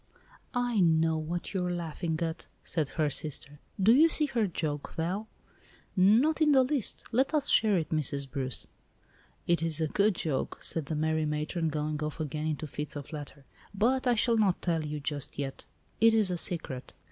"I know what you are laughing at," said her sister. "Do you see her joke, Val?" "Not in the least. Let us share it, Mrs. Bruce." "It is a good joke," said that merry matron, going off again into fits of laughter; "but I shall not tell you just yet. It is a secret."